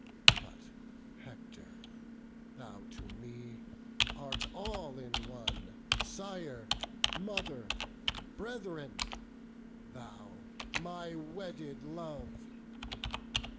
But, Hector, thou to me art all in one, Sire, mother, brethren! thou, my wedded love!